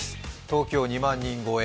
東京２万人超え。